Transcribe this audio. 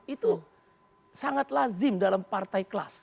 itu sangat lazim dalam partai kelas